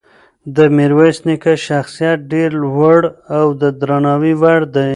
د میرویس نیکه شخصیت ډېر لوړ او د درناوي وړ دی.